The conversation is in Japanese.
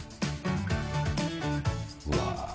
うわ。